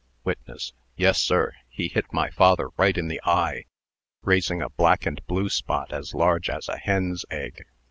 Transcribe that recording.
WITNESS. "Yes, sir. He hit my father right in the eye, raising a black and blue spot as large as a hen's egg."